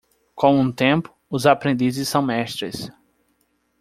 Com o tempo, os aprendizes são mestres.